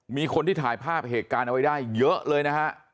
มีคนที่ถ่ายภาพเหตุการณ์เอาไว้ได้เยอะเลยนะฮะ